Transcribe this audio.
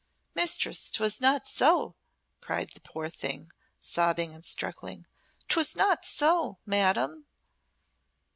"Mistress, 'twas not so!" cried the poor thing, sobbing and struggling. "'Twas not so, madam!"